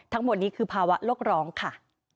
ทั้งหมดนี้คือภาวะโลกร้องค่ะ